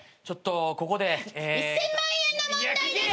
１，０００万円の問題です！